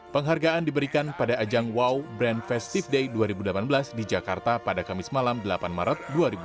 penghargaan diberikan pada ajang wow brand festive day dua ribu delapan belas di jakarta pada kamis malam delapan maret dua ribu delapan belas